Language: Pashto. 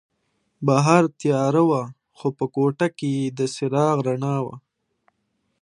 بهر تیاره وه خو په کوټه کې د څراغ رڼا وه.